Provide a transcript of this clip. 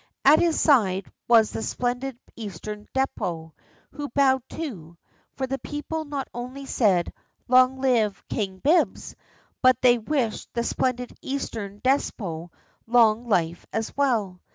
At his side was the splendid Eastern despot, who bowed too, for the people not only said "Long live King Bibbs!" but they wished the splendid Eastern despot long life as well.